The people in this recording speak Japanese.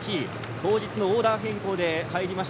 当日のオーダー変更で入りました